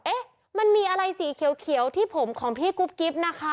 เอ๊ะมันมีอะไรสีเขียวที่ผมของพี่กุ๊บกิ๊บนะคะ